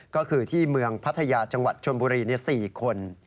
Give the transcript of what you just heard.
ก็คือที่เมืองพัทยาจังหวัดชนบุรี๔คน